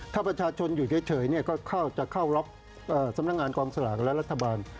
ถ้าประชาชนอยู่เฉยก็จะเข้าล็อกสำนักงานกองสลากและรัฐบาล